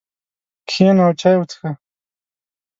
کښېنه او چای وڅښه.